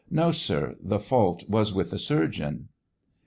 No, sir; the fault was with the surgeon.